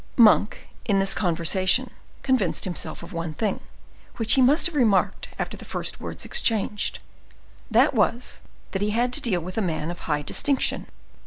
Monk, in this conversation, convinced himself of one thing, which he must have remarked after the first words exchanged: that was, that he had to deal with a man of high distinction.